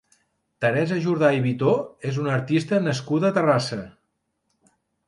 Teresa Jordà i Vitó és una artista nascuda a Terrassa.